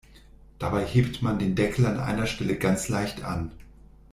Dabei hebt man den Deckel an einer Stelle ganz leicht an.